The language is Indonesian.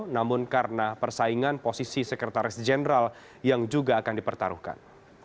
namun karena persaingan posisi sekretaris jenderal yang juga akan dipertaruhkan